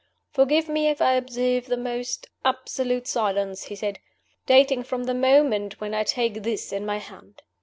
"Forgive me if I observe the most absolute silence," he said, "dating from the moment when I take this in my hand."